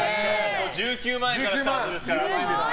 １９万円からスタートですから。